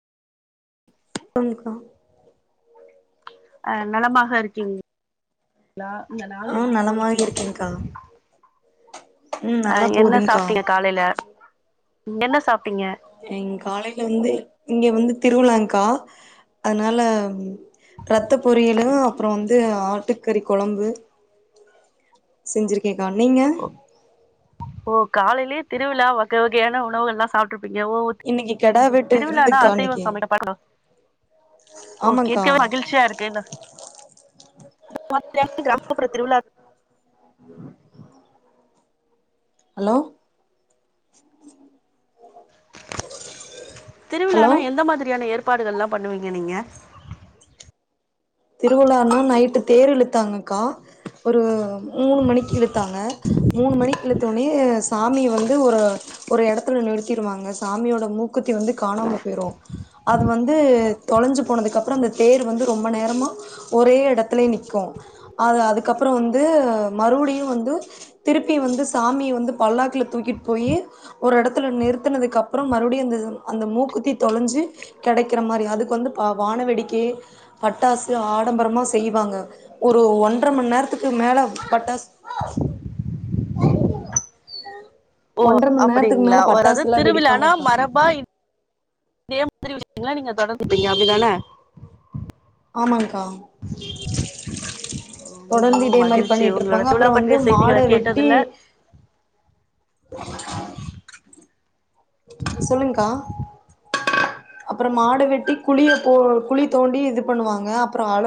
[unintelligible] கா அ நலமாக இருக்கீங் [inaudible] ளா இந்த ஆ நாள் எப்டி நலமாக போயிட்ருக் இருக்கேங்க்கா ம் அ நல்லா என்ன போகுதுங்க்கா சாப்ட்டீங்க காலைல என்ன சாப்ட்டீங்க எங் காலைல வந்து இங்க வந்து திருவிழாங்க்கா அதனால ரத்த பொரியலு அப்பற வந்து ஆட்டுக்கறி கொழம்பு செஞ்சிருக்கேக்கா நீங்க ஓ காலைலேயே திருவிழா வகை வகையான உணவுகள்லா சாப்ட்ரு ங்க யவ வோட் இன்னைக்கு கெடா வெட்டு திருவிழானா விருந்துக்கா அசைவ இன்னைக்கு சமைக்க மாட்டோ ஓக்கே ஆமாங்க்கா மிக்க மகிழ்ச்சியா இருக்கு இந்த மத் [inaudible] கிராமப்புற திருவிழாக் ஹலோ ஹலோ திருவிழானா எந்த மாதிரியான ஏற்பாடுகள்லா பண்ணுவீங்க நீங்க திருவிழானா நைட்டு தேர் இழுத்தாங்கக்கா ஒரு மூணு மணிக்கு இழுத்தாங்க மூணு மணிக்கு இழுத்தோனே சாமி வந்து ஒரு ஒரு எடத்துல நிறுத்திருவாங்க சாமியோட மூக்குத்தி வந்து காணாம போயிரு அது வந்து தொலஞ்சு போனதுக்குக்கப்றோ அந்த தேர் வந்து ரொம்ப நேரமா ஒரே எடத்துலே நிக்கு அது அதுக்கப்றோ வந்து மறுபுடியு வந்து திருப்பி வந்து சாமிய வந்து பல்லாக்குல தூக்கிட்டு போயி ஒரு எடத்துல நிறுத்தனதுக்கப்பறம் மறுபடியு அந்த அந்த மூக்குத்தி தொலஞ்சு கெடைக்கிற மாரி அதுக்கு வந்து ப வான வேடிக்கை பட்டாசு ஆடம்பரமா செய்வாங்க ஒரு ஒன்ற மண் நேரத்துக்கு மேல பட்டாசு ஓ ஒன்றரை மண் நேரத்துக்கு அப்படிங்களா மேல ஒரது பட்டாசுல்லா திருவிழானா வெடிப்பாங்க்கா மரபா இதே மாதிரி விஷயங்கள நீங்க தொடர்ந்துப்பீங்க அப்டிதான ஆமாங்க்கா ஓ தொடர்ந்து மிகவும் இதே மாரி மகிழ்ச்சி உங்களோட பண்ணிட்ருப்பாங்க திருவிழா அப்றோ வந்து பற்றிய மாட செய்திகள வெட்டி கேட்டதுல [unintelligible] சொல்லுங்க்கா அப்பறோ மாட வெட்டி குழியப் போ குழி தோண்டி இது பண்ணுவாங்க அப்பறோ அ